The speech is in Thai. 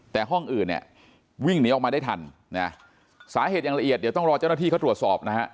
แต่ห้องอื่นเนี่ยวิ่งหนีออกมาได้ทันนะสาเหตุอย่างละเอียดเดี๋ยวต้องรอเจ้าหน้าที่เขาตรวจสอบนะฮะ